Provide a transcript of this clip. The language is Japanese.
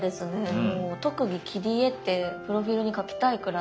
もう特技切り絵ってプロフィールに書きたいくらい。